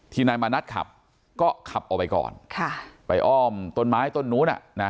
นายมานัดขับก็ขับออกไปก่อนไปอ้อมต้นไม้ต้นนู้น